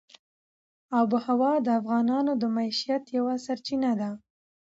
آب وهوا د افغانانو د معیشت یوه سرچینه ده.